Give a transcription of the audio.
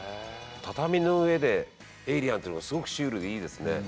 畳の上でエイリアンというのがすごくシュールでいいですね。